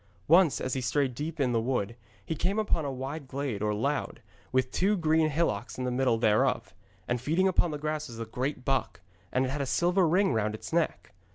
Once, as he strayed deep in the wood, he came upon a wide glade or laund, with two green hillocks in the middle thereof. And feeding upon the grass was a great buck, and it had a silver ring round its neck.